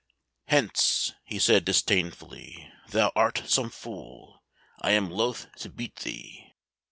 "Hence," he said disdainfully, "thou art some fool; I am loath to beat thee."